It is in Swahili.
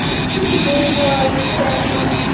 Mungu wa daniel ni mungu wetu pia habadiliki.